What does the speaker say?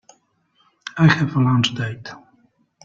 I have a lunch date.